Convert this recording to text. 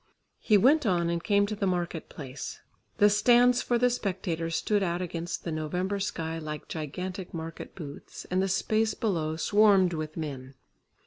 He went on and came to the market place. The stands for the spectators stood out against the November sky like gigantic market booths, and the space below swarmed with men.